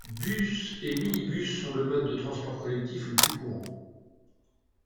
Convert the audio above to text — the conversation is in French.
Bus et minibus sont le mode de transport collectif le plus courant.